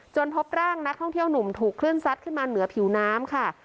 พบร่างนักท่องเที่ยวหนุ่มถูกคลื่นซัดขึ้นมาเหนือผิวน้ำค่ะ